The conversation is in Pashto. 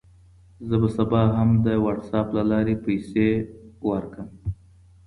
زه به سبا هم د وټساپ له لارې پیسې ورکړم.